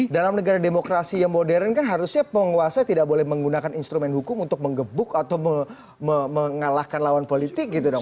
dalam negara demokrasi yang modern kan harusnya penguasa tidak boleh menggunakan instrumen hukum untuk mengebuk atau mengalahkan lawan politik gitu dong